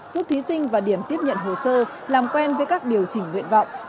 giúp thí sinh và điểm tiếp nhận hồ sơ làm quen với các điều chỉnh nguyện vọng